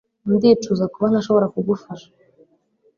ndicuza kuba ntashobora kugufasha